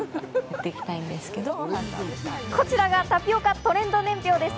こちらがタピオカトレンド年表です。